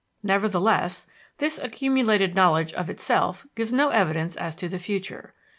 Nevertheless, this accumulated knowledge of itself gives no evidence as to the future.